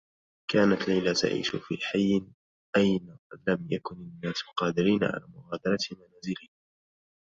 كانت ليلى تعيش في حيّ أين لم يكن النّاس قادرين على مغادرة منازلهم.